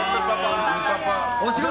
お仕事